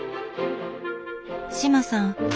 志麻さん